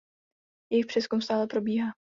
Jejich přezkum stále probíhá.